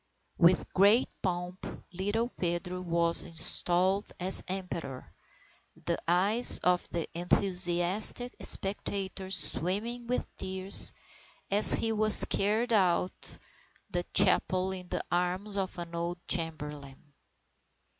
With great pomp, little Pedro was installed as Emperor, the eyes of the enthusiastic spectators swimming with tears, as he was carried out of the chapel in the arms of an old chamberlain.